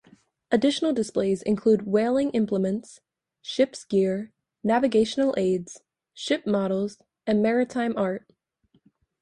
Additional displays include whaling implements, ship's gear, navigational aids, ship models and maritime art.